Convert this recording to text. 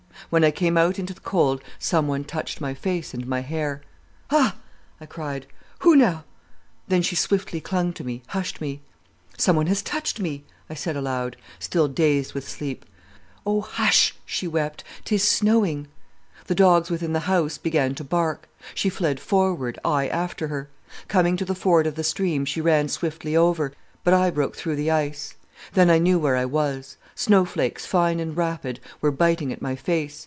"When I came out into the cold someone touched my face and my hair. "'Ha!' I cried, 'who now——?' Then she swiftly clung to me, hushed me. "'Someone has touched me,' I said aloud, still dazed with sleep. "'Oh hush!' she wept. ''Tis snowing.' The dogs within the house began to bark. She fled forward, I after her. Coming to the ford of the stream she ran swiftly over, but I broke through the ice. Then I knew where I was. Snowflakes, fine and rapid, were biting at my face.